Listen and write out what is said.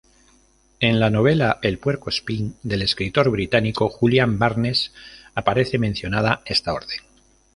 En la novela "El puercoespín" del escritor británico Julian Barnes aparece mencionada esta orden.